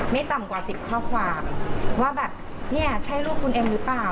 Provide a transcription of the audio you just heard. ไม่ต่ำกว่าสิบข้อความว่าแบบเนี่ยใช่ลูกคุณเอ็มหรือเปล่า